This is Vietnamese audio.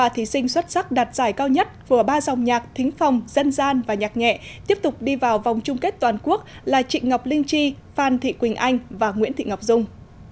ba thí sinh xuất sắc đạt giải cao nhất của ba dòng nhạc thính phòng dân gian và nhạc nhẹ tiếp tục đi vào vòng chung kết toàn quốc là chị ngọc linh chi phan thị quỳnh anh và nguyễn thị ngọc dung